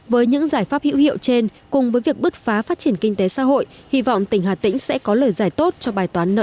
với những giải pháp hữu hiệu trên cùng với việc bứt phá phát triển kinh tế xã hội hy vọng tỉnh hà tĩnh sẽ có lời giải tốt cho bài toán nợ